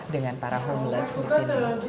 dengan para homeless di sini